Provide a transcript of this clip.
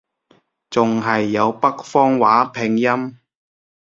仲係有北方話拼音